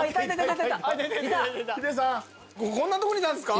・こんなとこにいたんすか？